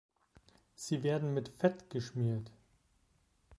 Sie werden mit Fett geschmiert.